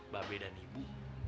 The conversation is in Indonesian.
babe dan ibu